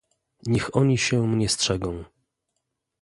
"Niech oni się mnie strzegą."